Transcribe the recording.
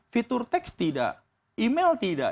fitur teks tidak email tidak